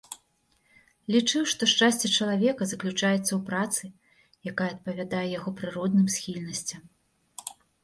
Лічыў, што шчасце чалавека заключаецца ў працы, якая адпавядае яго прыродным схільнасцям.